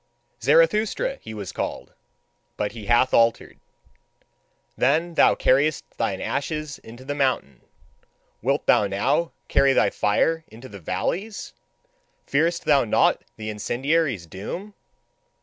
Zarathustra he was called; but he hath altered. Then thou carriedst thine ashes into the mountains: wilt thou now carry thy fire into the valleys? Fearest thou not the incendiary's doom?